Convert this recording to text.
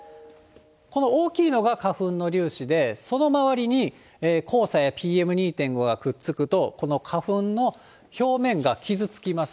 この大きいのが花粉の粒子で、その周りに黄砂やＰＭ２．５がくっつくと、この花粉の表面が傷つきます。